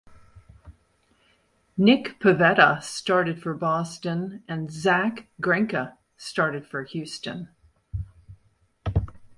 Nick Pivetta started for Boston and Zack Greinke started for Houston.